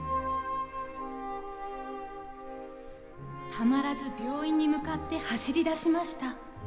たまらず病院に向かって走りだしました。